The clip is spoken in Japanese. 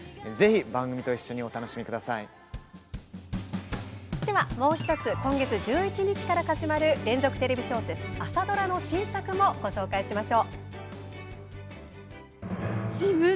ぜひ番組と一緒にもう１つ今月１１日から始まる連続テレビ小説、朝ドラの新作もご紹介しましょう。